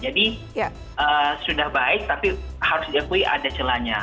jadi sudah baik tapi harus diakui ada celahnya